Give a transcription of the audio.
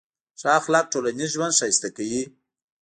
ښه اخلاق ټولنیز ژوند ښایسته کوي.